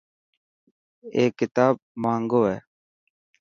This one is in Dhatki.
اي ڪتاب ماهنگو هي.